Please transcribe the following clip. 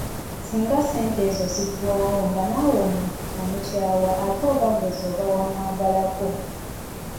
Singa ssente ezo ziggwaawo naawe ng'omuntu omukyawa gw'ate oba ze waba wamwagalako!